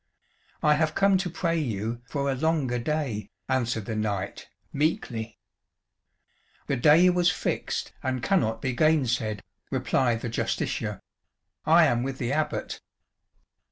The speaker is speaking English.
"I have come to pray you for a longer day," answered the knight, meekly. "The day was fixed and cannot be gainsaid," replied the Justiciar; "I am with the Abbot."